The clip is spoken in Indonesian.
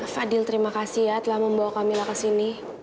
fadil terima kasih ya telah membawa kamila kesini